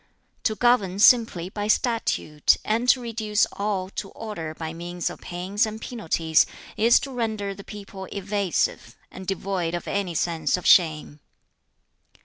"To govern simply by statute, and to reduce all to order by means of pains and penalties, is to render the people evasive, and devoid of any sense of shame.